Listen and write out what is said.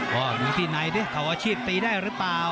อ้ออยู่ที่ไหนดิเขาอาชีพตีได้หรือเปล่า